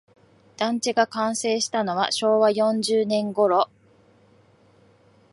団地が完成したのは昭和四十年ごろ